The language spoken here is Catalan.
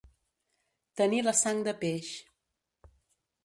Tenir la sang de peix.